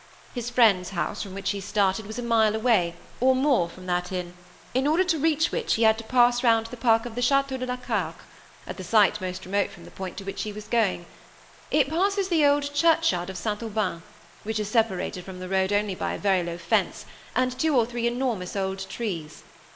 His father's house, from which he started, was a mile away, or more, from that inn, in order to reach which he had to pass round the park of the Chéteau de la Carque, at the site most remote from the point to which he was going. It passes the old churchyard of St. Aubin, which is separated from the road only by a very low fence, and two or three enormous old trees.